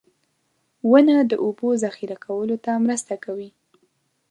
• ونه د اوبو ذخېره کولو ته مرسته کوي.